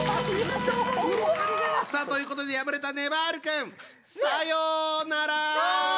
さあということで敗れたねばる君さようなら！